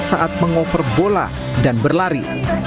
saat meng over bola dan berlari